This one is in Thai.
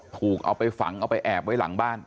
ถูกเอาไปฝังเอาไปแอบไว้หลังบ้าน